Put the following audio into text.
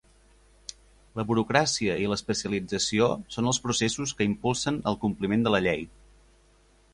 La burocràcia i l'especialització són els processos que impulsen el compliment de la Llei.